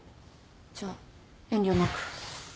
じゃあ遠慮なく。